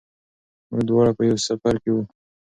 موږ دواړه په یوه سفر کې وو.